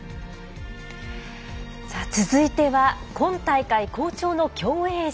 さあ、続いては今大会好調の競泳陣。